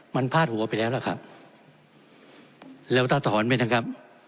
มันพาดหัวไปแล้วล่ะครับแล้วถ้าถอนไหมนะครับ